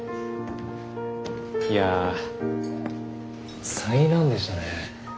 いや災難でしたね。